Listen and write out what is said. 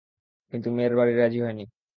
কিন্তু মেয়ের বাড়ি রাজি হয়নি।